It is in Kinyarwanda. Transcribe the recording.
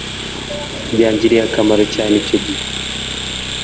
Byangiriye akamaro cyane icyo gihe